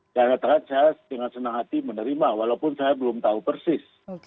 dan akhir akhir saya dengan senang hati menerima walaupun saya belum tahu persis